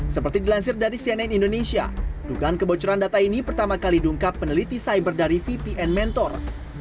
seperti dilansir dari cnn indonesia dugaan kebocoran data ini pertama kali diungkap peneliti cyber dari vpn mentor